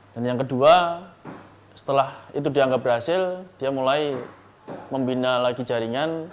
dan yang kedua setelah itu dianggap berhasil dia mulai membina lagi jaringan